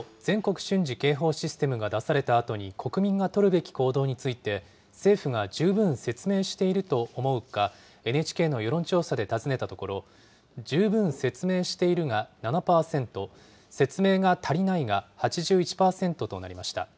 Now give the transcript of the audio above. ・全国瞬時警報システムが出されたあとに、国民が取るべき行動について、政府が十分説明していると思うか、ＮＨＫの世論調査で尋ねたところ、十分説明しているが７％、説明が足りないが８１％となりました。